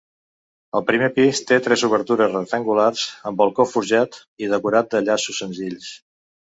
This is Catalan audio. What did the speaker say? El primer pis té tres obertures rectangulars amb balcó forjat i decorat de llaços senzills.